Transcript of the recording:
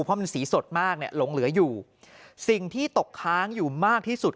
เพราะมันสีสดมากเนี่ยหลงเหลืออยู่สิ่งที่ตกค้างอยู่มากที่สุด